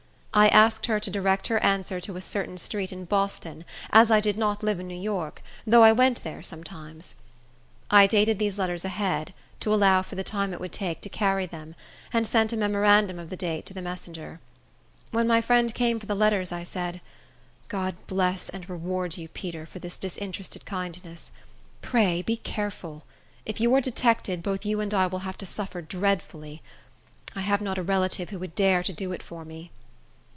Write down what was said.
I asked her to direct her answer to a certain street in Boston, as I did not live in New York, though I went there sometimes. I dated these letters ahead, to allow for the time it would take to carry them, and sent a memorandum of the date to the messenger. When my friend came for the letters, I said, "God bless and reward you, Peter, for this disinterested kindness. Pray be careful. If you are detected, both you and I will have to suffer dreadfully. I have not a relative who would dare to do it for me."